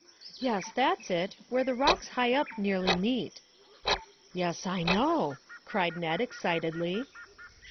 "Yes, that's it; where the rocks high up nearly meet." "Yes, I know," cried Ned excitedly.